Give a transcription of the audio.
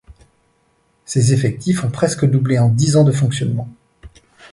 Ses effectifs ont presque doublé en dix ans de fonctionnement.